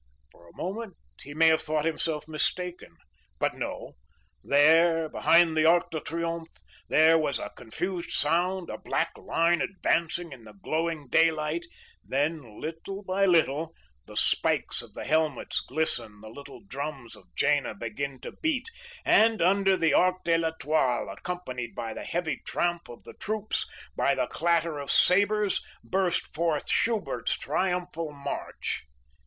"For a moment he may have thought himself mistaken."But no! there, behind the Arc de Triomphe, there was a confused sound, a black line advancing in the growing daylight—then, little by little, the spikes of the helmets glisten, the little drums of Jena begin to beat, and under the Arc de l'Etoile, accompanied by the heavy tramp of the troops, by the clatter of sabers, bursts forth Schubert's Triumphal March.